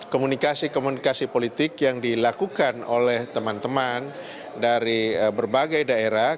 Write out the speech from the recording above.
komunikasi komunikasi politik yang dilakukan oleh teman teman dari berbagai daerah